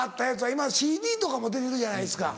今ＣＤとかも出てるじゃないですか。